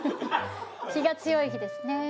日が強い日ですね。